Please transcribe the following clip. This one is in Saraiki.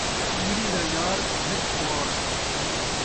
کن٘ڄری دا یار ، نت خوار